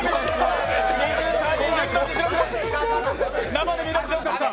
生で見れてよかった。